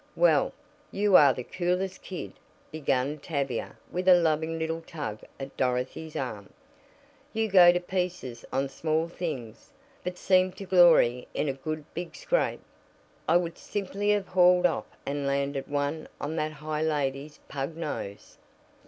"Well, you are the coolest kid," began Tavia with a loving little tug at Dorothy's arm. "You go to pieces on small things, but seem to glory in a good big scrape. I would simply have hauled off and landed one on that high up lady's pug nose."